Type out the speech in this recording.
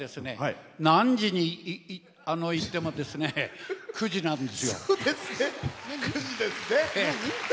久慈は何時に行っても久慈なんですよ。